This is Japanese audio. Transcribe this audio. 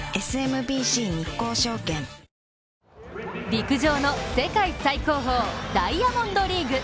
陸上の世界最高峰ダイヤモンドリーグ。